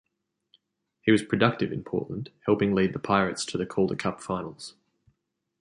He was productive in Portland, helping lead the Pirates to the Calder Cup Finals.